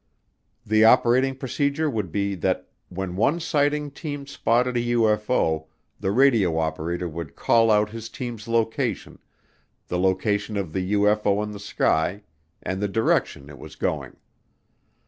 The operating procedure would be that when one sighting team spotted a UFO the radio operator would call out his team's location, the location of the UFO in the sky, and the direction it was going.